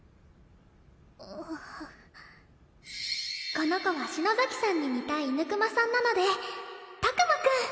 この子は篠崎さんに似た犬クマさんなのでたくまくん！